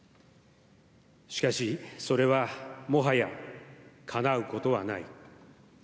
しかし、それはもはやかなうことはない。